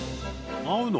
合うの？